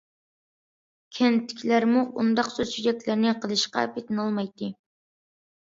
كەنتتىكىلەرمۇ ئۇنداق سۆز- چۆچەكلەرنى قىلىشقا پېتىنالمايتتى.